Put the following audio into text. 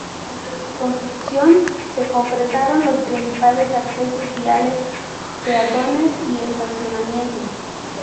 Durante su construcción se concretaron los principales accesos viales, peatones y estacionamiento.